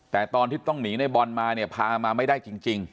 แต่ตอนที่ต้องหนีในบอลมาเนี่ยพามาไม่ได้จริง